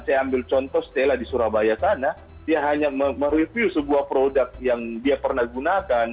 saya ambil contoh stella di surabaya sana dia hanya mereview sebuah produk yang dia pernah gunakan